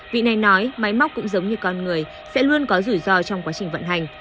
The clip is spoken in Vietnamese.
vị này nói máy móc cũng giống như con người sẽ luôn có rủi ro trong quá trình vận hành